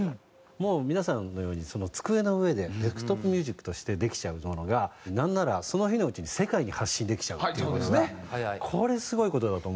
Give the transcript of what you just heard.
もう皆さんのように机の上でデスクトップミュージックとしてできちゃうものがなんならその日のうちに世界に発信できちゃうというのがこれすごい事だと思うんですよ。